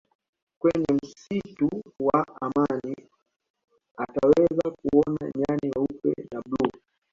kwenye msitu wa amani utaweza kuona nyani weupe na bluu